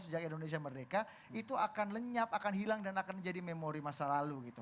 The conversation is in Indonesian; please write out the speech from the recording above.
sejak indonesia merdeka itu akan lenyap akan hilang dan akan menjadi memori masa lalu gitu